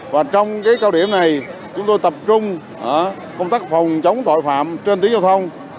và trong cao điểm này chúng tôi tập trung công tác phòng chống tội phạm trên tiếng giao thông